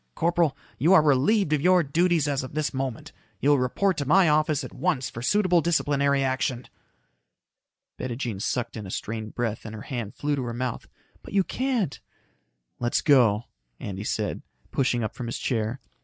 Corporal. You are relieved of your duties as of this moment. You will report to my office at once for suitable disciplinary action." Bettijean sucked in a strained breath and her hand flew to her mouth. "But you can't " "Let's go," Andy said, pushing up from his chair.